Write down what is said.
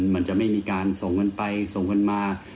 มันจะไม่มีการส่งกันไปส่งกันมา